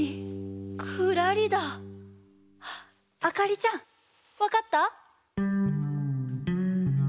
あっあかりちゃんわかった？